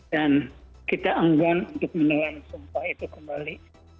dan kita anggun untuk menelan sumpah itu kembali